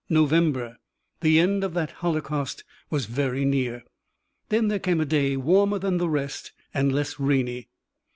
November. The end of that holocaust was very near. Then there came a day warmer than the rest and less rainy.